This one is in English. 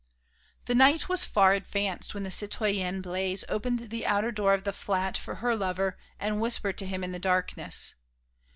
The night was far advanced when the citoyenne Blaise opened the outer door of the flat for her lover and whispered to him in the darkness.